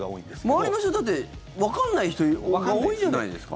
周りの人、わかんない人多いじゃないですか。